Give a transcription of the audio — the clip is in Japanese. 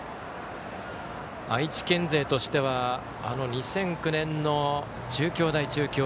愛知県勢としては２００９年の中京大中京。